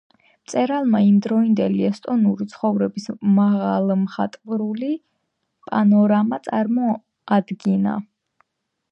მწერალმა იმდროინდელი ესტონური ცხოვრების მაღალმხატვრული პანორამა წარმოადგინა.